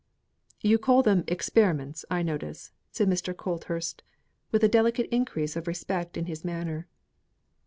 "You call them 'experiments' I notice," said Mr. Colthurst, with a delicate increase of respect in his manner.